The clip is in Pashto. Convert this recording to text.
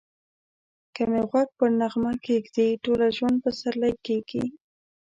که می غوږ پر نغمه کښېږدې ټوله ژوند پسرلی کېږی